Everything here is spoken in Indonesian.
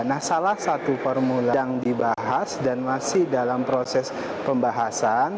nah salah satu formula yang dibahas dan masih dalam proses pembahasan